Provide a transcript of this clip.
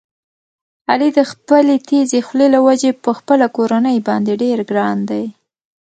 علي د خپلې تېزې خولې له وجې په خپله کورنۍ باندې ډېر ګران دی.